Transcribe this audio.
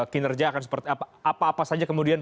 kinerja akan seperti apa apa saja kemudian